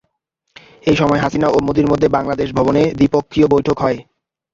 এ সময় হাসিনা ও মোদির মধ্যে বাংলাদেশ ভবনে দ্বিপক্ষীয় বৈঠক হয়।